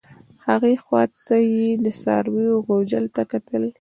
هغې خوا ته یې د څارویو غوجل ته کتل.